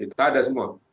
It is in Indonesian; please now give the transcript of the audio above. itu ada semua